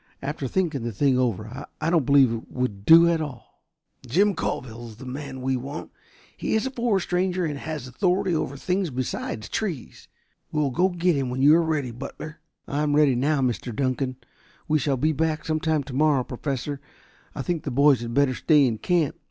After thinking the thing over I don't believe it would do at all." "Jim Coville is the man we want. He is a forest ranger, and has authority over things besides trees. We will go get him when you are ready, Butler." "I am ready now, Mr. Dunkan. We shall be back some time tomorrow, Professor. I think the boys had better stay in camp.